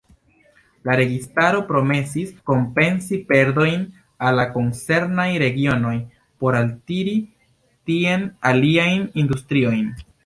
La registaro promesis kompensi perdojn al la koncernaj regionoj por altiri tien aliajn industriojn.